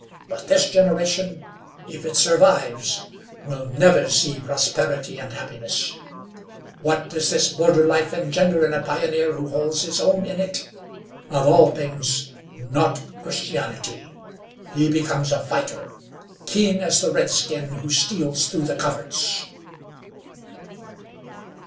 But this generation, if it survives, will never see prosperity and happiness. What does this border life engender in a pioneer who holds his own in it? Of all things, not Christianity. He becomes a fighter, keen as the redskin who steals through the coverts."